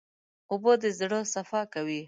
اوبه د زړه صفا کوي.